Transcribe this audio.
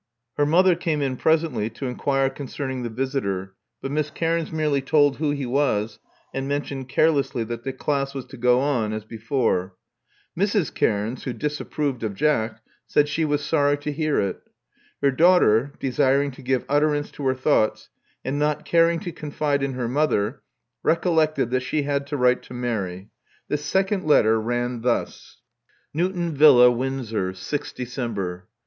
Her mother came in presently, to inquire concerning the visitor; but Miss Cairns merely told who he was, and mentioned carelessly that the class was to go on as before. Mrs. Cairns, who disapproved of Jack, said she was sorry to hear it. Her daughter, desiring to give utterance to her thoughts, and not caring to confide in her mother, recollected that she had to write to Mary. This second letter ran thus: I'^o Love Among the Artists o ••Newton Villa, Windsor. "6th September.